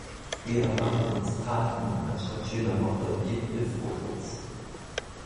Wir erwarten uns Taten anstatt schöner Worte und Gipfelphotos.